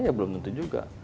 ya belum tentu juga